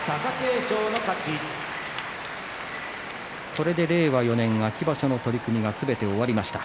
これで令和４年、秋場所の取組がすべて終わりました。